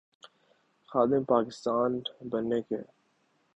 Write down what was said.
خادم پاکستان بننے کے۔